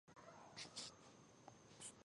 غږ د مینې داوود دی